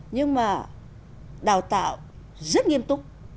nhưng mà đào tạo rất nghiêm túc